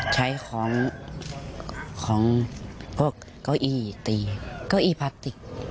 ใช้ของพวกเก้าอี้ตีเก้าอี้พลาสติก